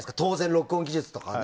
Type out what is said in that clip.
録音技術とかが。